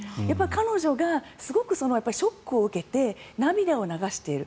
彼女がすごくショックを受けて涙を流している。